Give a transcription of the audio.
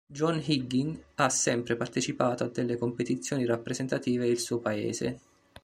John Higgins ha sempre partecipato a delle competizioni rappresentative il suo paese.